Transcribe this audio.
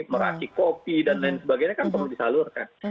meracik kopi dan lain sebagainya kan perlu disalurkan